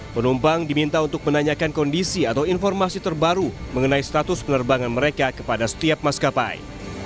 penumpang diminta untuk menanyakan kondisi atau informasi terbaru mengenai status penerbangan mereka kepada setiap maskapai